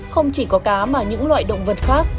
không chỉ có cá mà những loại động vật khác